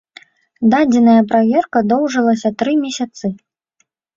Дадзеная праверка доўжылася тры месяцы.